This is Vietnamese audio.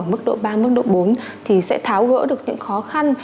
mức độ ba mức độ bốn thì sẽ tháo gỡ được những khó khăn